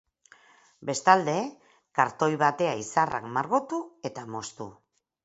Bestalde, kartoi batea izarrak margotu eta moztu.